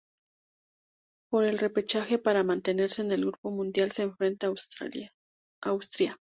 Por el repechaje para mantenerse en el Grupo Mundial se enfrentó a Austria.